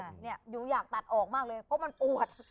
รู้จักค่ะอยู่อยากตัดออกเลยเพราะมันปวด